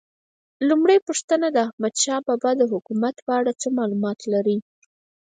لومړۍ پوښتنه: د احمدشاه بابا د حکومت په اړه څه معلومات لرئ؟